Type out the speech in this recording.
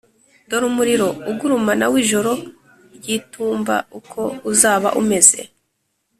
dore umuriro ugurumana w'ijoro ry'itumba uko uzaba umeze